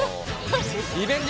リベンジ